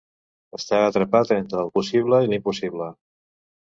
Està atrapat entre el possible i l'impossible.